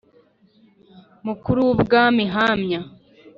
Mukuru w ubwami hamya